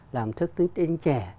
làm thức đến trẻ